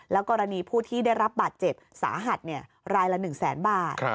กรณีผู้ที่ได้รับบาดเจ็บสาหัสรายละ๑แสนบาท